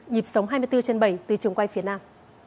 nhịp sống hai mươi bốn trên bảy từ trường quay phía nam